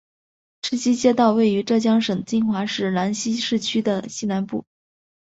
赤溪街道位于浙江省金华市兰溪市区西南部。